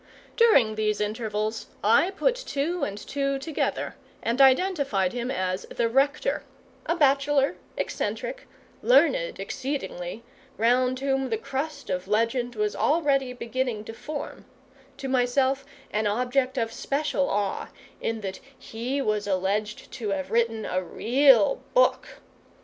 During these intervals I put two and two together, and identified him as the Rector: a bachelor, eccentric, learned exceedingly, round whom the crust of legend was already beginning to form; to myself an object of special awe, in that he was alleged to have written a real book.